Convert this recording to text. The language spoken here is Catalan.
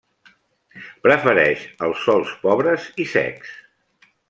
Prefereix els sòls pobres i secs.